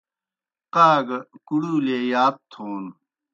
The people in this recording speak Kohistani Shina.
قا گہ کُڑیلیْ اےْ یات تھون